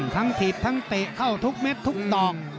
ทั้งถีบทั้งเตะเข้าทุกเม็ดทุกต่อง